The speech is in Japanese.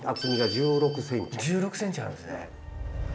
１６ｃｍあるんですね。